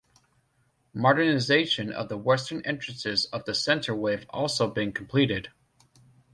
Modernisation of the western entrances to the centre wave also been completed.